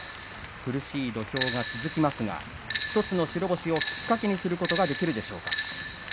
苦しい土俵が続きますが１つの白星をきっかけにすることができるでしょうか。